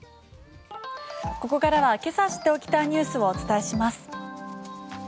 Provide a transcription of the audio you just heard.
ここからはけさ知っておきたいニュースをお伝えします。